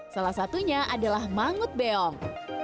salah satunya adalah mangut beong